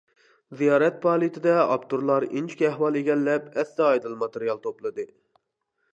زىيارەت پائالىيىتىدە ئاپتورلار ئىنچىكە ئەھۋال ئىگىلەپ، ئەستايىدىل ماتېرىيال توپلىدى.